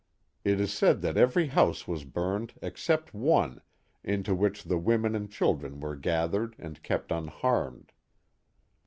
It is said that every house was burned except one into which the women and children were gathered and kept unharmed.